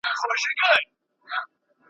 خو په اوسنیو شرایطو کي `